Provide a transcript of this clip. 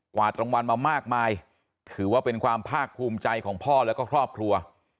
วาดรางวัลมามากมายถือว่าเป็นความภาคภูมิใจของพ่อแล้วก็ครอบครัว